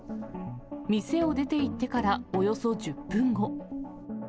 店を出ていってからおよそ１０分後。